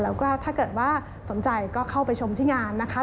แล้วก็ถ้าเกิดว่าสนใจก็เข้าไปชมที่งานนะคะ